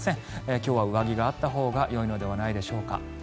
今日は上着があったほうがよいのではないでしょうか。